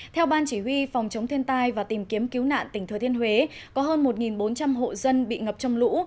theo ban chỉ huy phòng chống thiên tai và tìm kiếm cứu nạn tỉnh thừa thiên huế có hơn một bốn trăm linh hộ dân bị ngập trong lũ